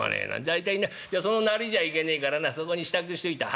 大体なそのなりじゃいけねえからなそこに支度しといた。